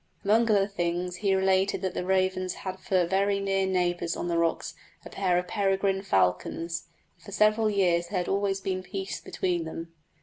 Among other things he related that the ravens had for very near neighbours on the rocks a pair of peregrine falcons, and for several years there had always been peace between them.